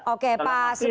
oke pak sugeng